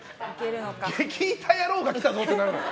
激イタ野郎が来たぞってなる。